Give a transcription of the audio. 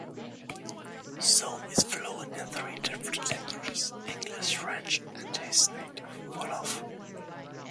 Sow is fluent in three different languages, English, French, and his native Wolof.